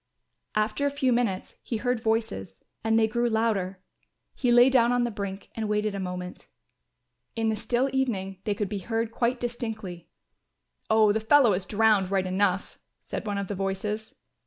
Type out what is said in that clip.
After a few minutes he heard voices and they grew louder; he lay down on the brink and waited a moment. In the still evening they could be heard quite distinctly. "Oh, the fellow is drowned right enough," said one of the voices.